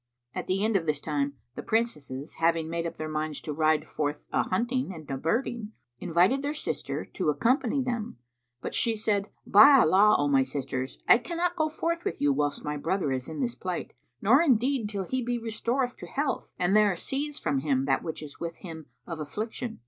At the end of this time, the Princesses having made up their minds to ride forth a hunting and a birding invited their sister to accompany them, but she said, "By Allah, O my sisters, I cannot go forth with you whilst my brother is in this plight, nor indeed till he be restored to health and there cease from him that which is with him of affliction.